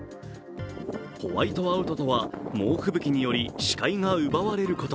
ホワイトアウトとは猛吹雪により視界が奪われること。